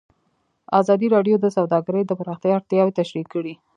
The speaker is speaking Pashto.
ازادي راډیو د سوداګري د پراختیا اړتیاوې تشریح کړي.